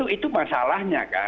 itu masalahnya kan